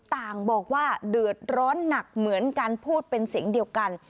ต่างบอกว่าเดือดร้อนหนักเหมือนกันพูดเป็นเสียงเดียวกัน